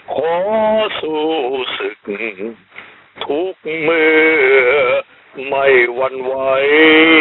ขอสู้ศึกทุกเมื่อไม่หวั่นไหว